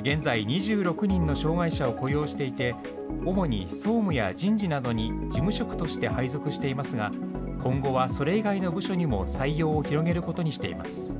現在、２６人の障害者を雇用していて、主に総務や人事などに事務職として配属していますが、今後はそれ以外の部署にも採用を広げることにしています。